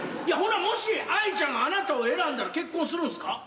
いやほんならもし藍ちゃんがあなたを選んだら結婚するんすか？